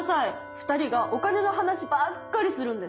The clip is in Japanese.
２人がお金の話ばっかりするんです。